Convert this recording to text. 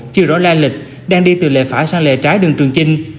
chưa rõ la lịch đang đi từ lề phải sang lề trái đường trường chinh